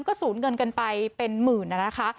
ก็สูญเงินกันไปเป็นหมื่นนะคะ